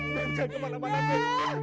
jangan kemana mana beb